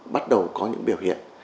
bắt đầu có những biểu hiện